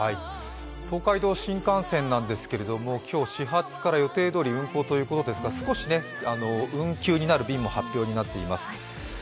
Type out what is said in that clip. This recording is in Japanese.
東海道新幹線なんですけれども今日始発から予定どおり運行ということですが少し運休になる便も発表になっています。